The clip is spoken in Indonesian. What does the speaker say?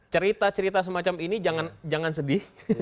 cerita cerita semacam ini jangan sedih